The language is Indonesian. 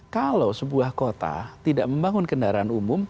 kalau sebuah kota tidak membangun kendaraan umum